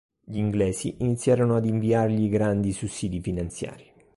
Gli inglesi iniziarono ad inviargli grandi sussidi finanziari.